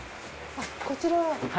あっこちらは？